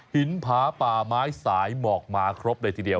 ผาป่าไม้สายหมอกมาครบเลยทีเดียว